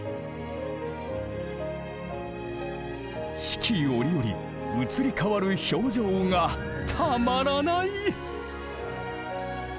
四季折々移り変わる表情がたまらない。